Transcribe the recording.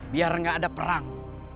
biar gak ada perang